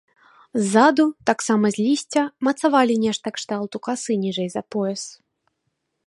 Ззаду, таксама з лісця, мацавалі нешта кшталту касы ніжэй за пояс.